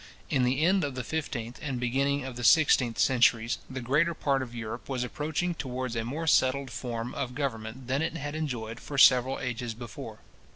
In the end of the fifteenth and beginning of the sixteenth centuries, the greater part of Europe was approaching towards a more settled form of government than it had enjoyed for several ages before.